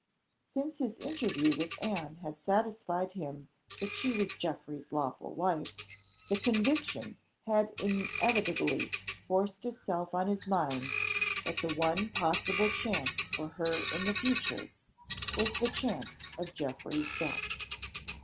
Since his interview with Anne had satisfied him that she was Geoffrey's lawful wife, the conviction had inevitably forced itself on his mind that the one possible chance for her in the future, was the chance of Geoffrey's death.